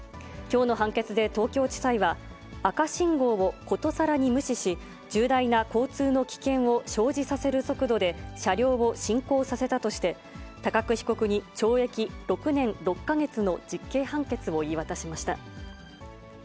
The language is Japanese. きょうの判決で東京地裁は、赤信号をことさらに無視し、重大な交通の危険を生じさせる速度で、車両を進行させたとして、高久被告に懲役６年６か月の実刑判決を言い渡しました。